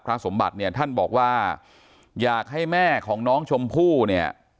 สมบัติเนี่ยท่านบอกว่าอยากให้แม่ของน้องชมพู่เนี่ย